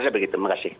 saya begitu terima kasih